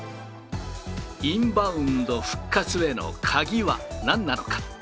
インバウンド復活への鍵はなんなのか。